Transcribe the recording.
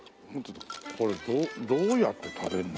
これどどうやって食べるの？